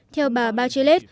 theo bà bachelet